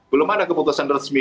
belum ada keputusan resmi